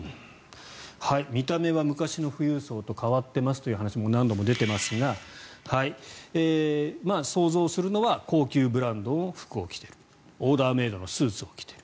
見た目は昔の富裕層と変わっていますという話は何度も出ていますが想像するのは高級ブランドの服を着ているオーダーメイドのスーツを着ている。